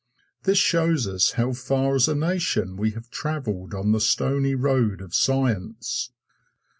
This shows us how far as a nation we have traveled on the stony road of Science.